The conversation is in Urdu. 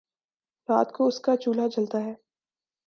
رات کو اس کا چولہا جلتا ہے